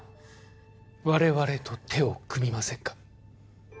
我々と手を組みませんか？